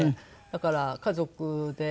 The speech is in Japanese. だから家族で。